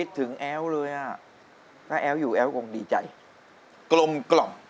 ถึงแอ้วเลยอ่ะถ้าแอ้วอยู่แอ้วคงดีใจกลมกล่อม